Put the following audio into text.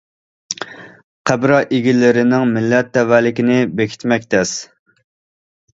قەبرە ئىگىلىرىنىڭ مىللەت تەۋەلىكىنى بېكىتمەك تەس.